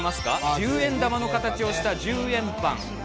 １０円玉の形をした１０円パン。